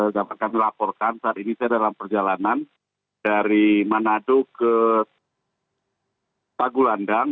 dapat kami laporkan saat ini saya dalam perjalanan dari manado ke pagulandang